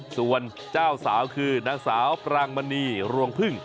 ส่วนเจ้าสาวคือนางสาวปรางมณีรวงพึ่ง